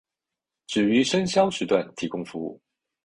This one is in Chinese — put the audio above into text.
只于深宵时段提供服务。